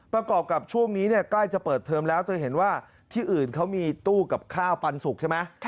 กับช่วงนี้เนี่ยใกล้จะเปิดเทอมแล้วเธอเห็นว่าที่อื่นเขามีตู้กับข้าวปันสุกใช่ไหม